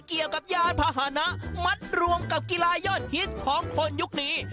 ยานพาหนะมัดรวมกับกีฬายอดฮิตของคนยุคนี้